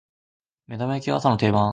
目玉焼きが朝の定番